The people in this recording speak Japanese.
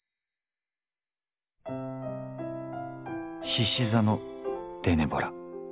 しし座のデネボラ。